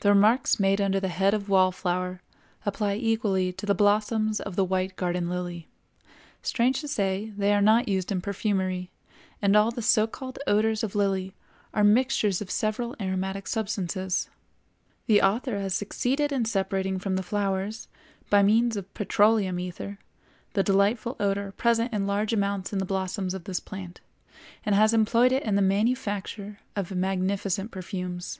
The remarks made under the head of Wallflower apply equally to the blossoms of the white garden lily: strange to say, they are not used in perfumery, and all the so called odors of lily are mixtures of several aromatic substances. The author has succeeded in separating from the flowers, by means of petroleum ether, the delightful odor present in large amount in the blossoms of this plant, and has employed it in the manufacture of magnificent perfumes.